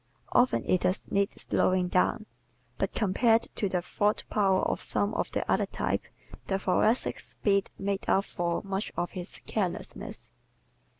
Often it does need slowing down. But compared to the thought power of some of the other types the Thoracic's speed makes up for much of his carelessness.